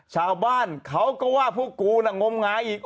ชาวบ้านเขาก็ว่าพวกกูน่ะงมงายอีก